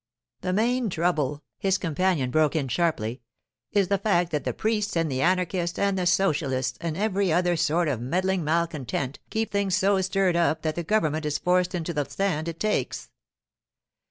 'The main trouble,' his companion broke in sharply, 'is the fact that the priests and the anarchists and the socialists and every other sort of meddling malcontent keep things so stirred up that the government is forced into the stand it takes.